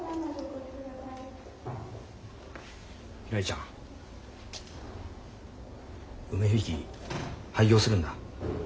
ひらりちゃん梅響廃業するんだ。